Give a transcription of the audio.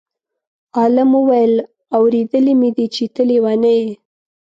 عالم وویل: اورېدلی مې دی ته لېونی یې.